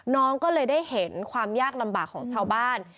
น้องก็เลยได้เห็นความยากลำบากของชาวบ้าน